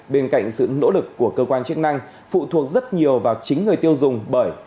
bên cạnh sự nỗ lực của cơ quan chức năng phụ thuộc rất nhiều vào chính người tiêu dùng bởi